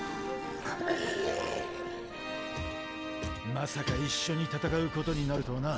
まさか一緒に戦うことになるとはな。